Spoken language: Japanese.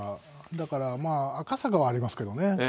だから赤坂はありますけどね。